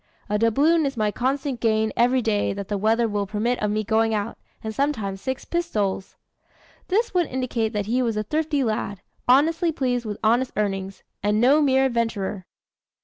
A doubloon is my constant gain every day that the weather will permit of my going out, and sometimes six pistoles." This would indicate that he was a thrifty lad, honestly pleased with honest earnings and no mere adventurer.